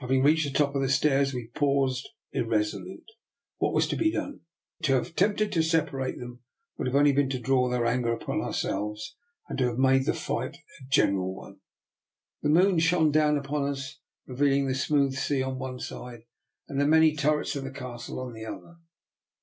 Having reached the top of the stairs, we paused irresolute. What was to be done? To have attempted to separate them would only have been to draw their anger upon our selves, and to have made the fight a general one. The moon shone down upon us, reveal ing the smooth sea on one side and the many turrets of the Castle on the other.